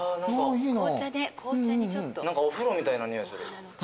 何かお風呂みたいな匂いする。